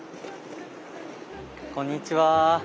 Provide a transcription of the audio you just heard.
こんにちは。